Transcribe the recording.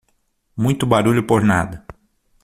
Muito barulho por nada